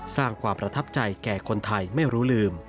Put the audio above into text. สร้างความประทับใจแก่คนไทยไม่รู้ลืม